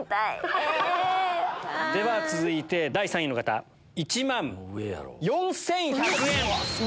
では続いて第３位の方１万４１００円。